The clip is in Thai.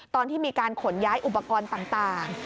ตอนที่มีการขนย้ายอุปกรณ์ต่าง